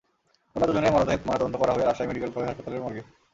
অন্য দুজনের মরদেহের ময়নাতদন্ত করা হবে রাজশাহী মেডিকেল কলেজ হাসপাতালের মর্গে।